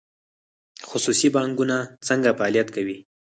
خصوصي بانکونه څنګه فعالیت کوي؟